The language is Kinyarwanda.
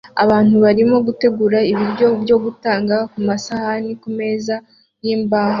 Abantu barimo gutegura ibiryo byo gutanga kumasahani kumeza yimbaho